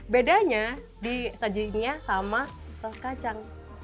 bedanya di sajinya sama saus kacang